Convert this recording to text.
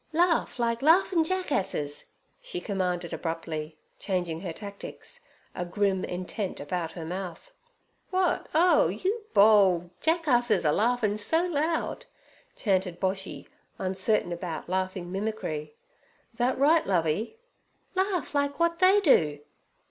'Laugh like laughin' jackasses' she commanded abruptly, changing her tactics, a grim intent about her mouth. 'Wot oh! you bol' jackasses a larfin' so loud' chanted Boshy, uncertain about laughing mimicry. 'Thet right, Lovey?' 'Laugh like w'at they do.'